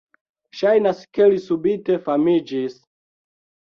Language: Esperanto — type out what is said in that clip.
Ŝajnas ke li subite famiĝis."